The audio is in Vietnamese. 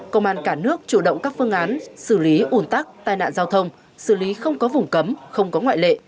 công an cả nước chủ động các phương án xử lý ủn tắc tai nạn giao thông xử lý không có vùng cấm không có ngoại lệ